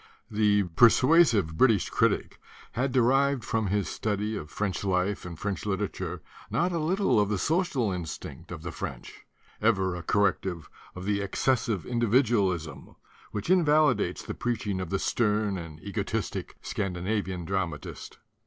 The persuasive British critic had de rived from his study of French life and French literature not a little of the social instinct of the French, ever a corrective of the excessive in dividualism which invalidates the preaching of the stern and egotistic Scandinavian dramatist.